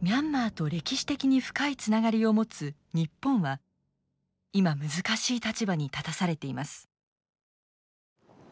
ミャンマーと歴史的に深いつながりを持つ日本は今難しい立場に立たされています。